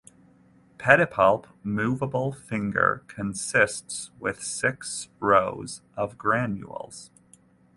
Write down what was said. Pedipalp movable finger consists with six rows of granules.